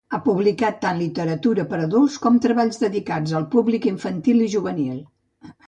Ha publicat tant literatura per a adults com treballs dedicats al públic infantil i juvenil.